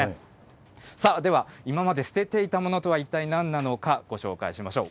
さあ、では今まで捨てていたものとは一体何なのか、ご紹介しましょう。